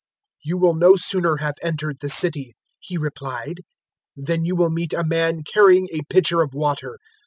022:010 "You will no sooner have entered the city," He replied, "than you will meet a man carrying a pitcher of water.